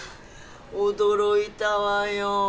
驚いたわよ